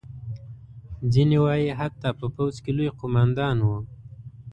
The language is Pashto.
ځینې وایي حتی په پوځ کې لوی قوماندان وو.